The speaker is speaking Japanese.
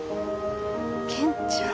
元ちゃん。